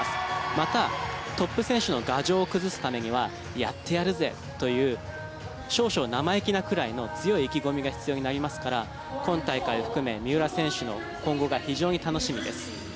また、トップ選手の牙城を崩すためにはやってやるぜという少々生意気なくらいの強い意気込みが必要になりますから今大会含め三浦選手の今後が非常に楽しみです。